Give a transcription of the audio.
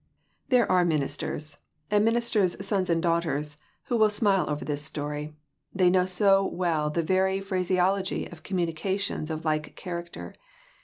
There are ministers, and ministers' sons and daughters, who will smile over this story, they know so well the very phraseology of communi cations of like character.